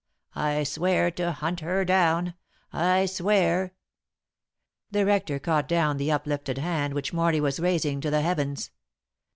I swear to hunt her down. I swear !" The rector caught down the uplifted hand which Morley was raising to the heavens.